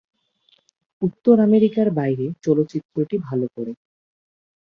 উত্তর আমেরিকার বাইরে চলচ্চিত্রটি ভালো করে।